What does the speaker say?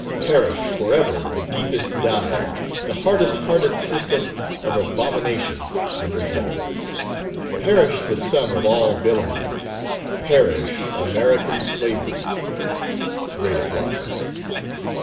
Perish forever the deepest dyed, the hardest hearted system of abomination under heaven! Perish the sum of all villanies! Perish American slavery. (Great applause.)"